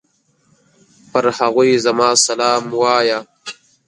پر هغوی زما سلام وايه!